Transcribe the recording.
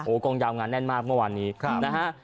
กองยาวงานแน่นมากเมื่อวานนี้นะฮะ